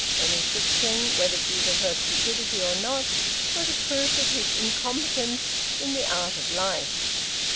Any friction, whether due to her stupidity or not, was a proof of his incompetence in the art of life...